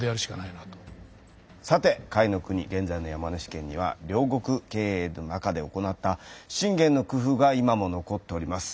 さて甲斐国現在の山梨県には領国経営の中で行った信玄の工夫が今も残っております。